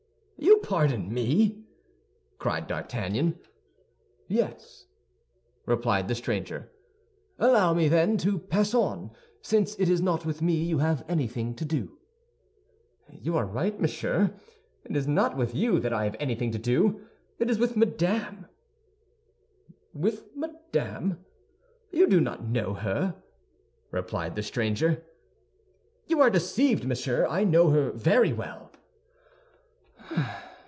"You pardon me?" cried D'Artagnan. "Yes," replied the stranger. "Allow me, then, to pass on, since it is not with me you have anything to do." "You are right, monsieur, it is not with you that I have anything to do; it is with Madame." "With Madame! You do not know her," replied the stranger. "You are deceived, monsieur; I know her very well."